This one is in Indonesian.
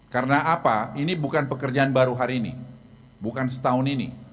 karena apa ini bukan pekerjaan baru hari ini bukan setahun ini